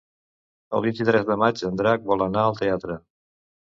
El vint-i-tres de maig en Drac vol anar al teatre.